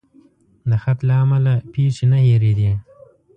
د خط له امله پیښې نه هېرېدې.